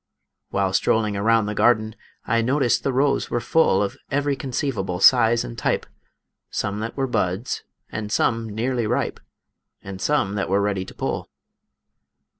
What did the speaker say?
While strolling around the garden I noticed the rows were full Of every conceivable size and type Some that were buds, and some nearly ripe, And some that were ready to pull.